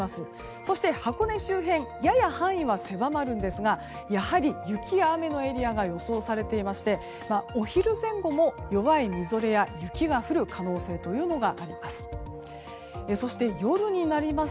そして箱根周辺やや範囲は狭まるんですがやはり雪や雨のエリアが予想されていましてお昼前後も弱いみぞれや雪が降る可能性というのがあります。